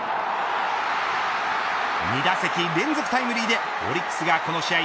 ２打席連続タイムリーでオリックスがこの試合